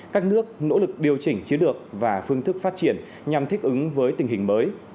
các nước nỗ lực điều chỉnh chiến lược và phương thức phát triển nhằm thích ứng với tình hình mới